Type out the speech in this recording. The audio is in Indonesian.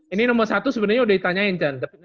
ini nomor satu sebenernya udah ditanyain kan